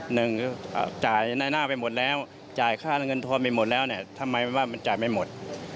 หนึ่งจ่ายในหน้าไปหมดแล้วจ่ายค่าเงินทอนไปหมดแล้วเนี่ยทำไมว่ามันจ่ายไม่หมด